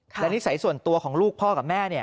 และนิสัยส่วนตัวของลูกพ่อกับแม่เนี่ย